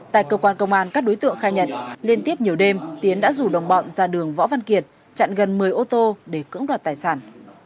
tại cơ quan công an các đối tượng khai nhận liên tiếp nhiều đêm tiến đã rủ đồng bọn ra đường võ văn kiệt chặn gần một mươi ô tô để cưỡng đoạt tài sản